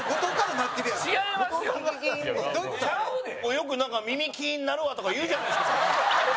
よく「耳キーンなるわ」とか言うじゃないですか。